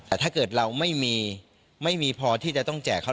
แต่ถ้าเกิดเราไม่มีไม่มีพอที่จะต้องแจกเขา